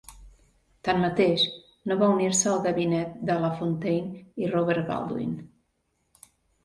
Tanmateix, no va unir-se al gabinet de Lafontaine i Robert Baldwin.